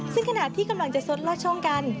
ซึ่งขณะที่กำลังจะซดลอดช่องกัน